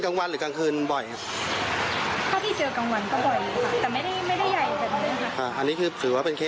กลางวันหรือกลางคืนบ่อยครับถ้าที่เจอกลางวันก็บ่อยครับ